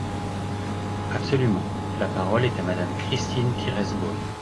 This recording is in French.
Absolument ! La parole est à Madame Christine Pires Beaune.